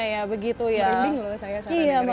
merinding loh saya secara negeri